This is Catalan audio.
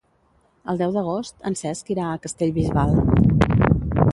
El deu d'agost en Cesc irà a Castellbisbal.